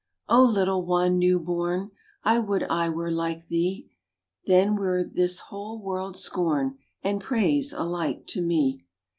O little one, new born, I would I were like thee; Then were this whole world's scorn And praise alike to me.